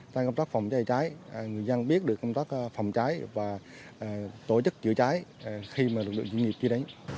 tại công tác phòng cháy cháy người dân biết được công tác phòng cháy và tổ chức chữa cháy khi mà lực lượng doanh nghiệp đi đến